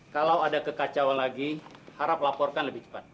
kalau ada kekacauan lagi harap laporkan lebih cepat